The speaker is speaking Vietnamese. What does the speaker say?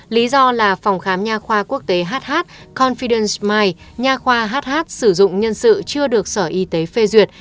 lý do là phòng khám nhà khoa quốc tế hh confidence my nhà khoa hh sử dụng nhân sự chưa được sở y tế phê duyệt